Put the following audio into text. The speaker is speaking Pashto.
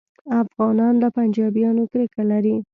افغانان له پنجابیانو کرکه لري